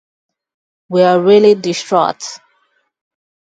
We're really distraught.